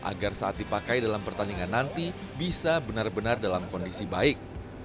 agar saat dipakai dalam pertandingan nanti bisa benar benar dalam kondisi baik